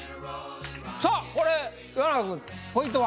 さあこれ岩永君ポイントは？